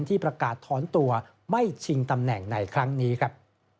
ที่ประกาศถอนตัวไม่ชิงตำแหน่งในครั้งนี้ครับ